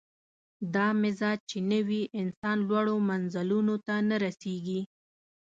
دا مزاج چې نه وي، انسان لوړو منزلونو ته نه رسېږي.